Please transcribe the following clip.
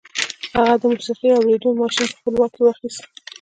هغه د موسیقي اورېدو ماشين په خپل واک کې واخیست